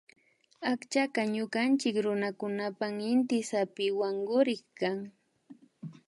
Akchaka ñukanchik runakunapan inty zapiwankurik kan